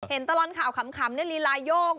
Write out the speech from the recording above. เห็นตลอดข่าวคำนี่ลีลายโยก